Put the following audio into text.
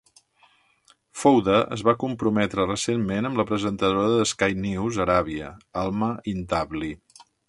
Fouda es va comprometre recentment amb la presentadora de Sky News Aràbia, Alma Intabli.